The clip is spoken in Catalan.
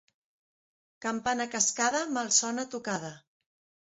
Campana cascada, mal sona tocada.